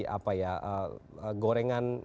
apa ya gorengan